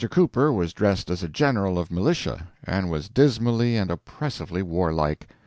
Cooper was dressed as a general of militia, and was dismally and oppressively warlike.